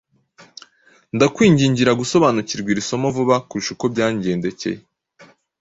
Ndakwingingira gusobanukirwa iri somo vuba kurusha uko byangendekeye.